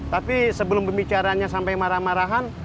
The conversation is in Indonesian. tapi sebelum pembicaranya sampai marah marahan